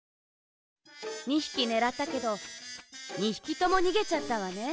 ２ひきねらったけど２ひきともにげちゃったわね。